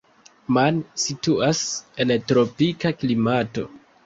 Man situas en tropika klimato.